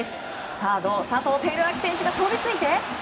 サード、佐藤輝明選手が飛びついて。